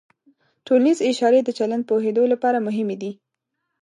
ټولنیز اشارې د چلند پوهېدو لپاره مهمې دي.